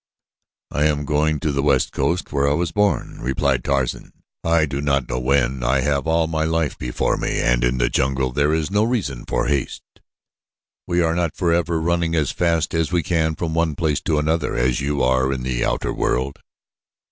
"I am going to the west coast where I was born," replied Tarzan. "I do not know when. I have all my life before me and in the jungle there is no reason for haste. We are not forever running as fast as we can from one place to another as are you of the outer world.